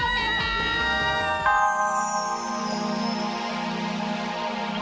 ada sedikit kenalan gue